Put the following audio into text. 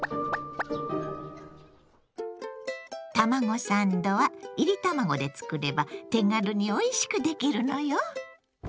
卵サンドはいり卵で作れば手軽においしく出来るのよ。